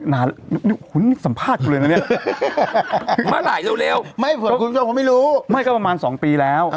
นานสัมภาษณ์กูเลยน่ะเนี้ยหรือใหม่ก็ประมาณสองปีแล้ว